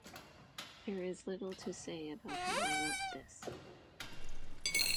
There is little to say about how I wrote this.